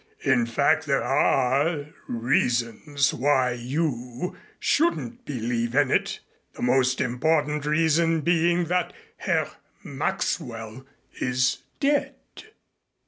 In fact there are reasons why you shouldn't believe in it, the most important reason being that Herr Maxwell is dead."